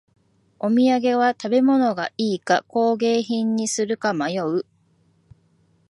お土産は食べ物がいいか工芸品にするか迷う